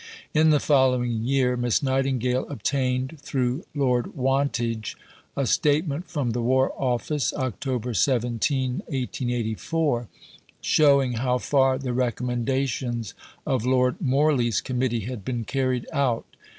In the following year Miss Nightingale obtained, through Lord Wantage, a statement from the War Office (Oct. 17, 1884) "showing how far the recommendations of Lord Morley's Committee had been carried out."